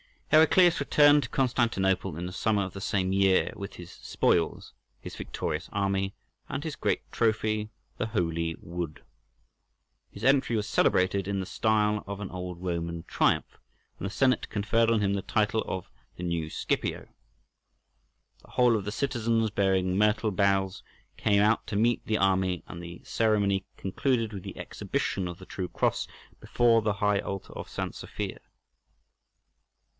Heraclius returned to Constantinople in the summer of the same year with his spoils, his victorious army, and his great trophy, the "Holy Wood." His entry was celebrated in the style of an old Roman triumph, and the Senate conferred on him the title of the "New Scipio." The whole of the citizens, bearing myrtle boughs, came out to meet the army, and the ceremony concluded with the exhibition of the "True Cross" before the high altar of St. Sophia.